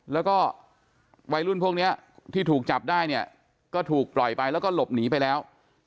แล้วก็วัยรุ่นพวกนี้ที่ถูกจับได้เนี่ยก็ถูกปล่อยไปแล้วก็หลบหนีไปแล้ว